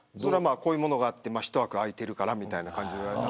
こういうものがあって一枠空いているからみたいな。